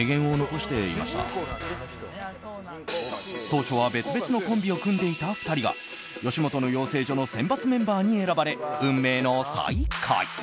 当初は別々のコンビを組んでいた２人が吉本の養成所の選抜メンバーに選ばれ運命の再会。